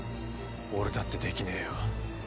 俺だってできねえよ。